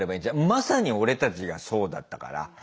まさに俺たちがそうだったから。